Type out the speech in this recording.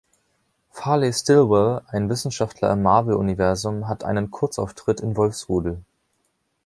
Farley Stillwell, ein Wissenschaftler im Marvel-Universum, hat einen Kurzauftritt in Wolfsrudel.